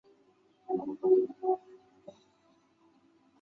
按照她父亲的愿望她受洗礼。